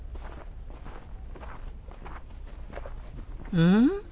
うん？